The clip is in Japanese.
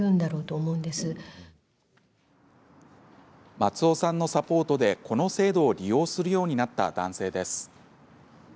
松尾さんのサポートでこの制度を利用するようになった男性です。